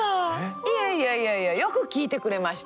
いやいやいやいやよく聞いてくれました。